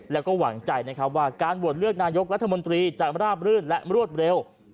แล้วก็หวังใจนะครับว่าการโหวตเลือกนายกรัฐมนตรีจะราบรื่นและรวดเร็ว